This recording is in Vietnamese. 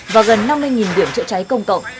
và gần năm mươi điểm chữa cháy công cộng